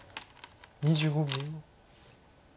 ２５秒。